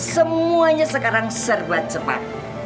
semuanya sekarang serba cepat